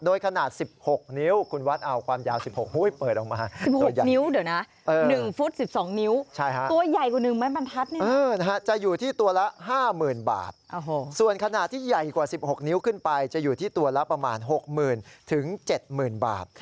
ซ่อมขึ้นไปจะอยู่ที่ตัวละประมาณ๖๐๐๐๐๗๐๐๐๐บาท